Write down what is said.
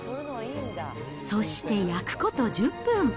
そして、焼くこと１０分。